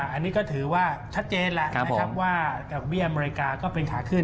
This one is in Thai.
อันนี้ก็ถือว่าชัดเจนครับว่าเบี้ยอเมริกาเป็นถาขึ้น